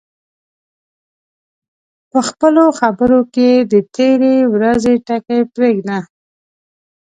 په خپلو خبرو کې د تېرې ورځې ټکي پرېږده